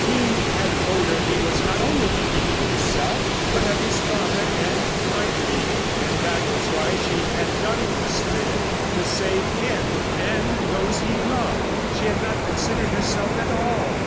He had told her he was not only thinking of himself, but of his father and Marjorie. And that was why she had done this thing ... To save him and those he loved. She had not considered herself at all.